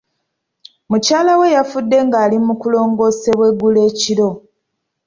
Mukyala we yafudde nga ali mu kulongoosebwa eggulo ekiro.